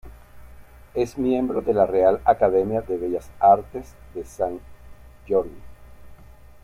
Es miembro de la Real Academia de Bellas Artes de Sant Jordi.